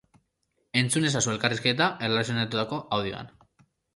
Entzun ezazu elkarrizketa erlazionaturiko audioan.